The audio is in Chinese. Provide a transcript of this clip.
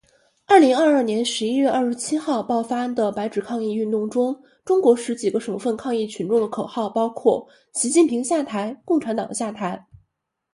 二零二二年十一月二十七号爆发的白纸抗议运动中，中国十几个省份抗议群众的口号包括“习近平下台，共产党下台”